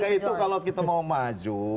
bagaimana kalau kita mau maju